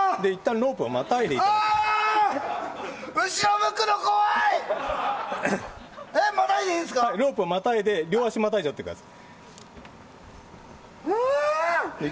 ロープをまたいで両足またいじゃってください。